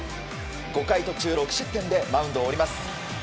５回途中６失点でマウンドを降ります。